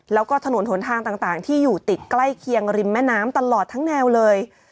แล้วก็ถนนหนทางต่างที่อยู่ติดใกล้เคียงริมแม่น้ำตลอดทั้งแนวเลย